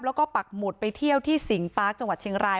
แล้วก็ปักหมุดไปเที่ยวที่สิงปาร์คจังหวัดเชียงราย